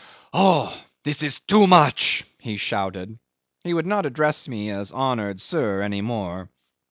"Oh! this is too much," he shouted. He would not address me as "honoured sir" any more.